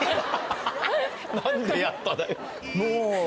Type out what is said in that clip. もう。